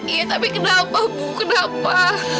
eh tapi kenapa bu kenapa